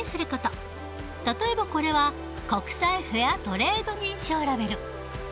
例えばこれは国際フェアトレード認証ラベル。